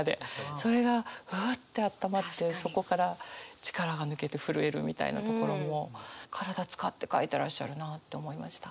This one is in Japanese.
それがうってあったまってそこから力が抜けて震えるみたいなところも体使って書いてらっしゃるなって思いました。